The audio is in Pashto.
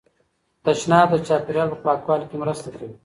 تشناب د چاپیریال په پاکوالي کې مرسته کوي.